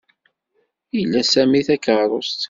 Ila Sami takeṛṛust.